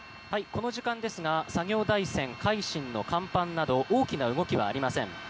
この時間ですが作業台船「海進」の甲板など大きな動きはありません。